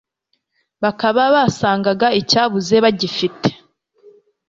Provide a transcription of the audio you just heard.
bakaba basangaga icyabuze bagifite